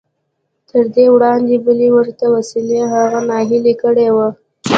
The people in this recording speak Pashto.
تر دې وړاندې بلې ورته وسیلې هغه ناهیلی کړی و